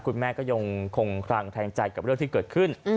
คุณแม่ก็ยังคงคลังแทงใจกับเรื่องที่เกิดขึ้น